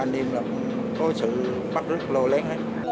anh em là có sự bắt rước lôi lén